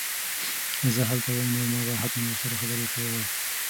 که زه هلته وم نو ما به حتماً ورسره خبرې کړې وای.